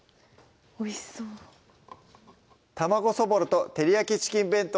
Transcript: おいしそう「卵そぼろと照り焼きチキン弁当」